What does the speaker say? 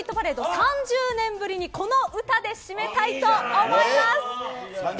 ３０年ぶりにこの歌で締めたいと思います。